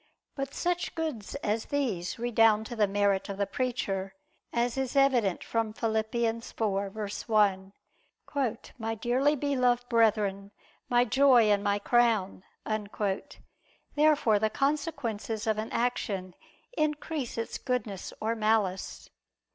But such goods as these redound to the merit of the preacher, as is evident from Phil. 4:1: "My dearly beloved brethren, my joy and my crown." Therefore the consequences of an action increase its goodness or malice.